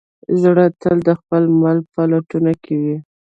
زړه تل د خپل مل په لټون کې وي.